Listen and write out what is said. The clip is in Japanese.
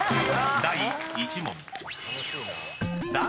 ［第１問］